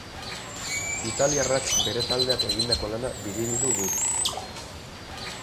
Italiarrak bere taldeak egindako lana biribildu du.